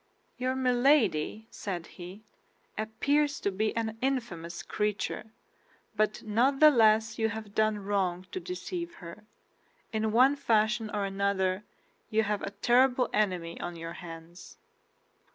"Your Milady," said he, "appears to be an infamous creature, but not the less you have done wrong to deceive her. In one fashion or another you have a terrible enemy on your hands."